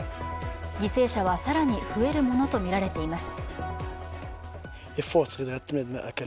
犠牲者は更に増えるものとみられています。